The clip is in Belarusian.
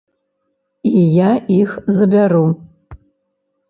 І я іх забяру.